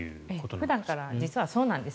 普段から実はそうなんです。